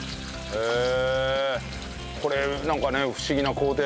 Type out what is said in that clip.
へえ。